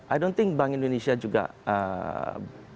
i don't think bank indonesia juga akan menaikkan juga